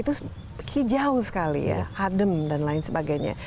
terus kejauh sekali ya hadem dan lain sebagainya